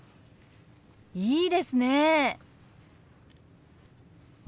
いいですね！